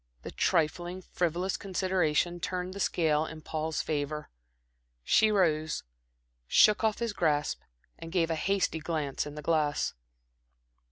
The trifling, frivolous consideration turned the scale in Paul's favor. She rose, shook off his grasp, and gave a hasty glance in the glass.